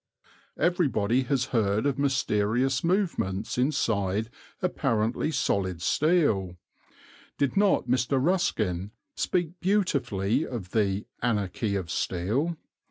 Everybody has heard of mysterious movements inside apparently solid steel did not Mr. Ruskin speak beautifully of the "anarchy of steel"?